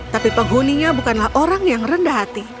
tapi penghuninya bukanlah orang yang rendah hati